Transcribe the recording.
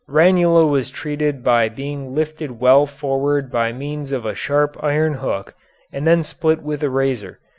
Ranula was treated by being lifted well forward by means of a sharp iron hook and then split with a razor.